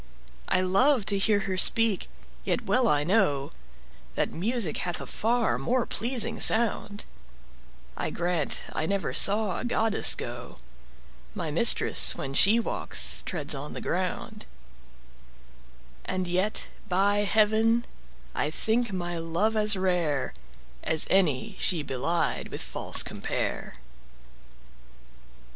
I love to hear her speak, yet well I know That music hath a far more pleasing sound; I grant I never saw a goddess go; My mistress, when she walks, treads on the ground: And yet, by heaven, I think my love as rare As any she belied with false compare.